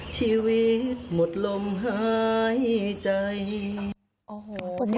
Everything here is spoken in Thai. ชีวิตหมดลมหายใจ